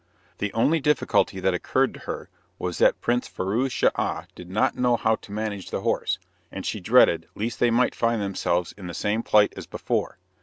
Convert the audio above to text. The only difficulty that occurred to her was that Prince Firouz Schah did not know how to manage the horse, and she dreaded lest they might find themselves in the same plight as before.